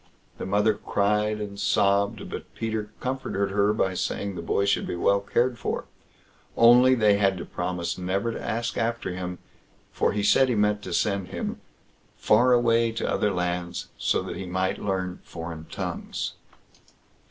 The mother cried and sobbed, but Peter comforted her by saying the boy should be well cared for; only they had to promise never to ask after him, for he said he meant to send him far away to other lands, so that he might learn foreign tongues.